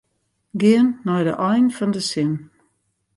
Gean nei it ein fan de sin.